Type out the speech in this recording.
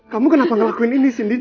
kamu kenapa ngelakuin ini sendiri